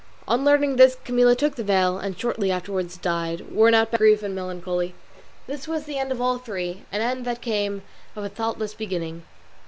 On learning this Camilla took the veil, and shortly afterwards died, worn out by grief and melancholy. This was the end of all three, an end that came of a thoughtless beginning.